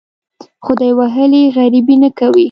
خدای وهلي غریبي نه کوي.